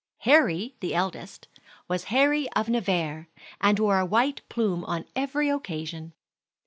Harry, the eldest, was Henry of Navarre, and wore a white plume on every occasion.